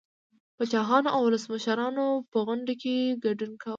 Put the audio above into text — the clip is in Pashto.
پاچاهانو او ولسمشرانو په غونډو کې ګډون کاوه